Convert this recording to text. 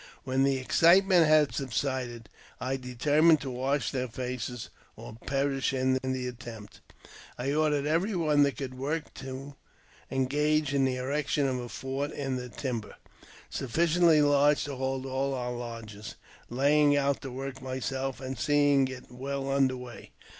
When the excitement had subsided, I determined to wash their faces or perish in the attempt. I ordered every one that could work to engage in the erection of a fort in the timber, JAMES P. BECKWOUBTH. 295 sufficiently large to hold all our lodges, laying out the work myself, and seeing it well under way.